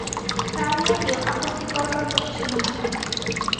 তা নিয়ে কেউ আপত্তি করবার লোক ছিল না।